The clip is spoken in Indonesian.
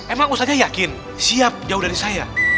emang usahanya yakin siap jauh dari saya